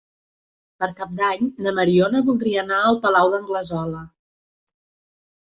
Per Cap d'Any na Mariona voldria anar al Palau d'Anglesola.